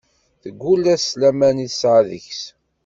Teggul-as s laman i tesɛa deg-s.